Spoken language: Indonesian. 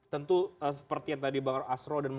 tentu seperti yang tadi bang asro